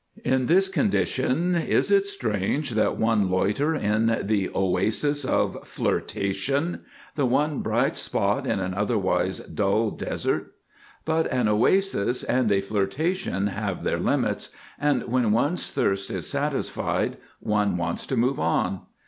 In this condition is it strange that one loiter in the Oasis of Flirtation—the one bright spot in an otherwise dull desert? But an oasis and a flirtation have their limits, and when one's thirst is satisfied one wants to move on.